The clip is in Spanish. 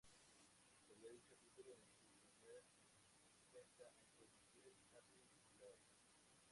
Perdió dicho título en su primer defensa ante Miguel "Happy" Lora.